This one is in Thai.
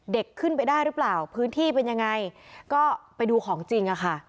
เด็กขึ้นไปได้หรือเปล่าพื้นที่เป็นยังไงก็ไปดูของจริงอะค่ะ